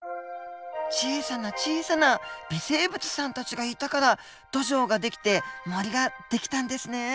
小さな小さな微生物さんたちがいたから土壌が出来て森が出来たんですね。